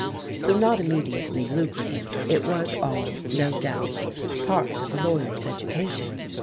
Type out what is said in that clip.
Though not immediately lucrative, it was all, no doubt, part of a lawyer's education.